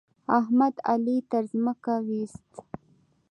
احمد؛ علي تر ځمکه واېست.